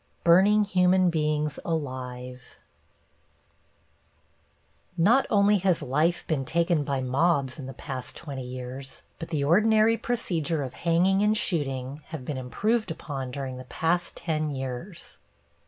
+BURNING HUMAN BEINGS ALIVE + Not only has life been taken by mobs in the past twenty years, but the ordinary procedure of hanging and shooting have been improved upon during the past ten years.